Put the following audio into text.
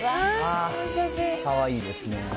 かわいいですね。